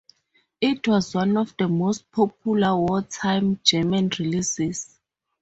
It was one of the most popular wartime German releases.